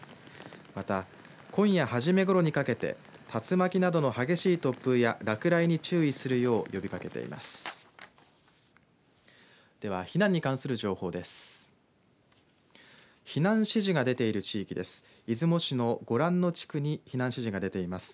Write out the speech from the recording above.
また今夜、初めごろにかけて竜巻などの激しい突風や落雷に注意するよう呼びかけています。